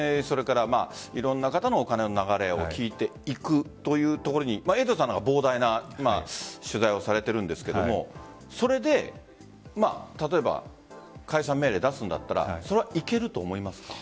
いろんな方のお金の流れを聞いていくというところにエイトさんは膨大な取材をされているんですが例えば解散命令を出すんだったらそれはいけると思いますか？